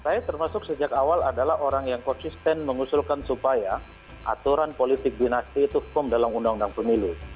saya termasuk sejak awal adalah orang yang konsisten mengusulkan supaya aturan politik dinasti itu hukum dalam undang undang pemilu